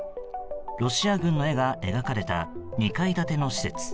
ロシア軍の絵が描かれた２階建ての施設。